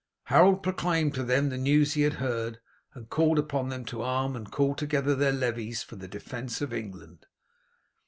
Harold proclaimed to them the news he had heard, and called upon them to arm and call together their levies for the defence of England.